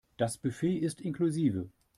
Das Buffet ist inklusive.